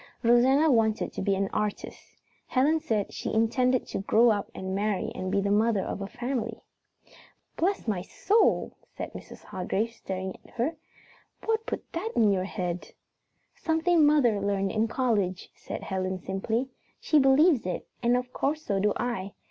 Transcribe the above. Rosanna wanted to be an artist. Helen said she intended to grow up and marry and be the mother of a family. "Bless my soul!" said Mrs. Hargrave, staring at her. "What put that in your head?" "Something mother learned in college," said Helen simply. "She believes it, and of course so do I.